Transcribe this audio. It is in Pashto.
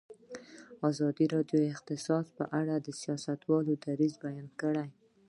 ازادي راډیو د اقتصاد په اړه د سیاستوالو دریځ بیان کړی.